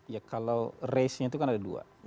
ya kalau race nya itu kan ada dua